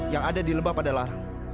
yang ada di lembah pada larang